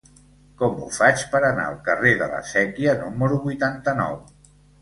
Com ho faig per anar al carrer de la Sèquia número vuitanta-nou?